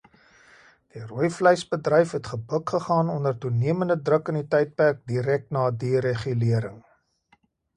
Die rooivleisbedryf het gebuk gegaan onder toenemende druk in die tydperk direk na deregulering.